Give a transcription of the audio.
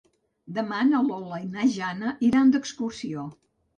Demà na Lola i na Jana iran d'excursió.